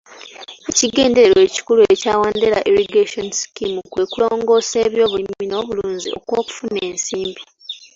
Ekigendererwa ekikulu ekya Wanderai irrigation scheme kwe kulongoosa eby'obulimi n'obulunzi okw'okufuna ensimbi.